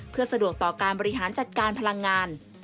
เพื่อสะดวกต่อการบริหารจัดการพลังงาน